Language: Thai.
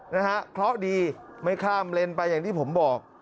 นะฮะเคราะห์ดีไม่ข้ามเลนไปอย่างที่ผมบอก